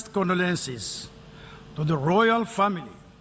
ขอบคุณครับ